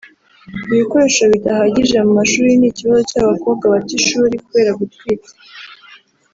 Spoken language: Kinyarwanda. ibikoresho bidahagije mu mashuri n’ikibazo cy’abakobwa bata ishuri kubera gutwita